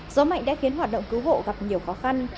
gió mạnh đã khiến hoạt động cứu hộ gặp nhiều khó khăn